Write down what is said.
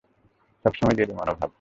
সবসময় জেদি মনোভাব।